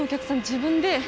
自分で。